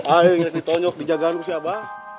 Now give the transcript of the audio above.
ayo yang ditunjuk dijagaanku siapa